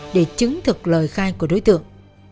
để chứng thực lời khai của đối tượng